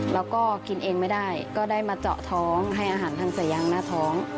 แล้วก็กินเองไม่ได้ก็ได้มาเจาะท้องให้อาหารทันสายยางหน้าท้อง